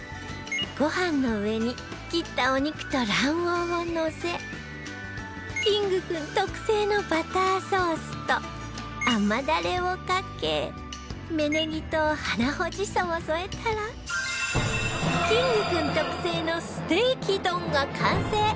ご飯の上に切ったお肉と卵黄をのせキングくん特製のバターソースと甘ダレをかけ芽ネギと花穂じそを添えたらキングくん特製のステーキ丼が完成！